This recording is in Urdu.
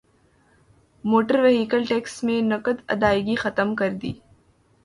موٹر وہیکل ٹیکس میں نقد ادائیگی ختم کردی